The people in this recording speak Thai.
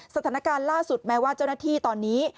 สถานการณ์ล่าสุดแม้ว่าเจ้าหน้าที่ตอนนี้